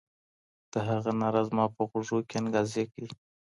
د هغه ناره زما په غوږونو کي انګازې کوي.